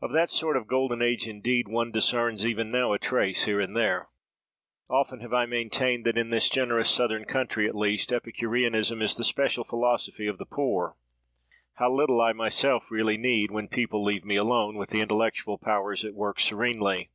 "Of that sort of golden age, indeed, one discerns even now a trace, here and there. Often have I maintained that, in this generous southern country at least, Epicureanism is the special philosophy of the poor. How little I myself really need, when people leave me alone, with the intellectual powers at work serenely.